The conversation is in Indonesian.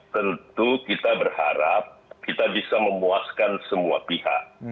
tentu kita berharap kita bisa memuaskan semua pihak